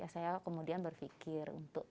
saya kemudian berpikir